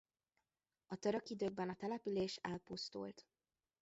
A török időkben a település elpusztult.